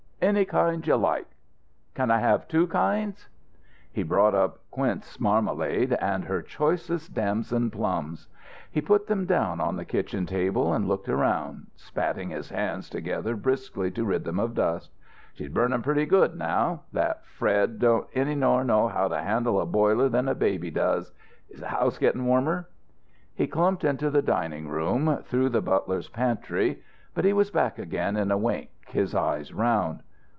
"Any kind you like." "Can I have two kinds?" He brought up quince marmalade and her choicest damson plums. He put them down on the kitchen table and looked around, spatting his hands together briskly to rid them of dust. "She's burning pretty good now. That Fred! Don't any more know how to handle a boiler than a baby does. Is the house getting warmer?" He clumped into the dining room, through the butler's pantry, but he was back again in a wink, his eyes round.